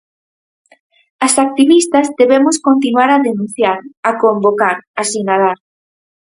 As activistas debemos continuar a denunciar, a convocar, a sinalar.